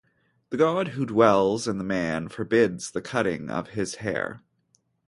The god who dwells in the man forbids the cutting of his hair.